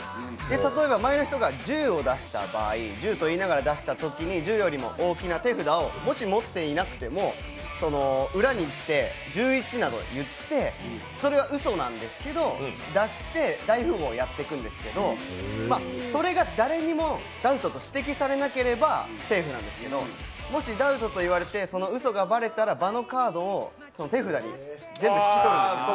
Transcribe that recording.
例えば前の人が１０を出した場合、１０と言いながら出したときに１０よりも大きな手札をもし持っていなくても、裏にして、１１など言って、それはうそなんですけど出して大富豪をやっていくんですけど、誰にもダウトを指摘されなければセーフなんですけれども、もしダウトと言われてその嘘がばれたら場のカードを全部手札に。